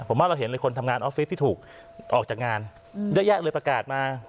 ผมว่าเราเห็นเลยคนทำงานออฟฟิศที่ถูกออกจากงานเยอะแยะเลยประกาศมา